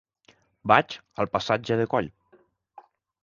Vaig al passatge de Coll.